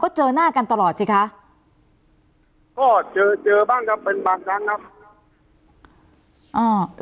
เจอหน้ากันตลอดสิคะก็เจอเจอบ้างครับเป็นบางครั้งครับอ่า